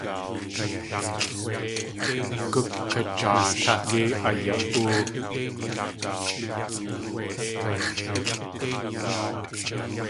Guk kajaash yéi aya.óo.